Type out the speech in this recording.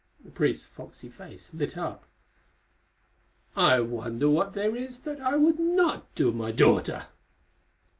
The priest's foxy face lit up. "I wonder what there is that I would not do, my daughter!"